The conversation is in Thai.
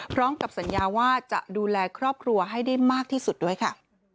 พร้อมกับสัญญาว่าจะดูแลครอบครัวให้ได้มากที่สุดด้วยค่ะ